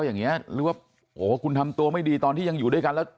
อย่างนี้หรือว่าโอ้โหคุณทำตัวไม่ดีตอนที่ยังอยู่ด้วยกันแล้ว